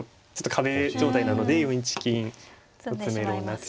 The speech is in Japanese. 壁状態なので４一金の詰めろになってしまう。